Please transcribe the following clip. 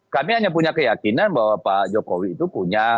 kami hanya punya keyakinan bahwa pak jokowi itu punya